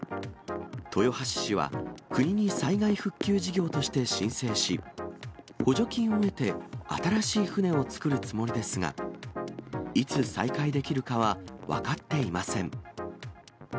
豊橋市は国に災害復旧事業として申請し、補助金を得て、新しい船を造るつもりですが、いつ再開できるかは分かっていません。